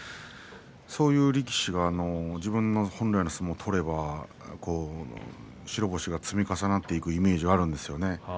そういう力士が自分本来の相撲を取れば白星が積み重なっていくイメージがあるんですよね。